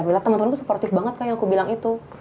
aku lihat temen temen gue supportif banget kayak aku bilang itu